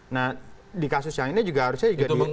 nah di kasus yang ini juga harusnya